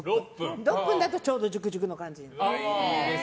６分だとちょうどジュクジュクの感じ。